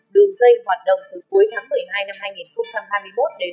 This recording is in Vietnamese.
đường dây hoạt động từ cuối tháng một mươi hai năm hai nghìn hai mươi một đến